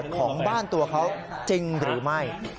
การตัวเขาจริงหรือไม่